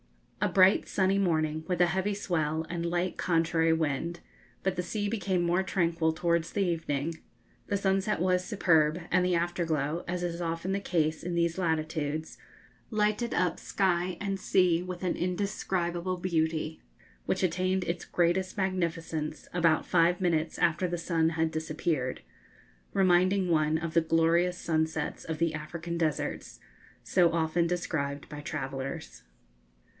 A bright sunny morning, with a heavy swell and light contrary wind, but the sea became more tranquil towards the evening. The sunset was superb, and the afterglow, as is often the case in these latitudes, lighted up sky and sea with an indescribable beauty, which attained its greatest magnificence about five minutes after the sun had disappeared, reminding one of the glorious sunsets of the African deserts, so often described by travellers.